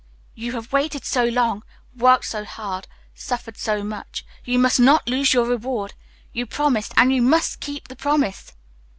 "You have waited so long, worked so hard, suffered so much, you must not lose your reward. You promised, and you must keep the promise."